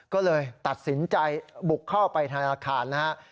ก็เลยตัดสินใจบุกเข้าไปธนาคารนะฮะ